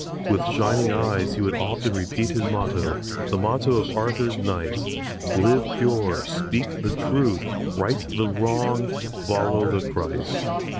With shining eyes he would often repeat his motto, the motto of Arthur's knights: "Live pure, speak the truth, right the wrong, follow the Christ."